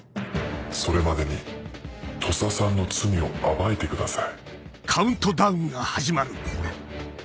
それまでに土佐さんの罪を暴いてください。